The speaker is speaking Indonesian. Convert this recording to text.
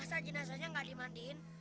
masa jenazahnya nggak dimandiin